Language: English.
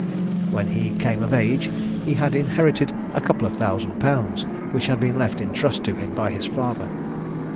When he came of age he had inherited a couple of thousand pounds, which had been left in trust to him by his father.